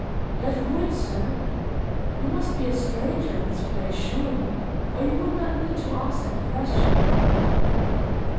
"That ruin, sir? You must be a stranger in this place, surely, or you would not need to ask that question."